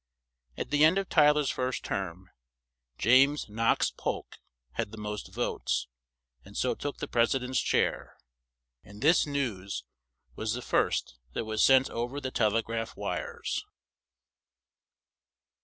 At the end of Ty ler's first term, James Knox Polk had the most votes, and so took the pres i dent's chair; and this news was the first that was sent o ver the tel e graph wires.